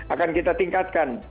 akan kita tingkatkan